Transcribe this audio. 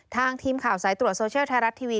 ทีมข่าวสายตรวจโซเชียลไทยรัฐทีวี